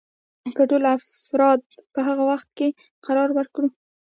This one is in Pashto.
که ټول افراد په هغه وضعیت کې قرار ورکړو.